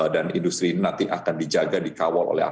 dan industri ini nanti akan dijaga dikawal oleh apb